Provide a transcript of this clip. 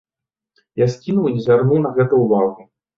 Я скінуў і не звярнуў на гэта ўвагу.